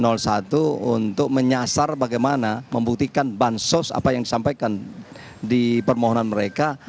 jadi saya berharap tim hukum satu untuk menyasar bagaimana membuktikan bansos apa yang disampaikan di permohonan mereka